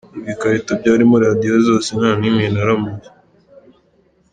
Ibikarito byarimo radiyo zose nta n’imwe naramuye.